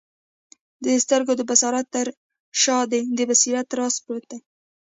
د سترګو د بصارت تر شاه دي د بصیرت راز پروت دی